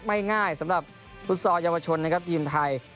ไม่ง่ายสำหรับฟุตซอลเยาวชนนะครับทีมไทย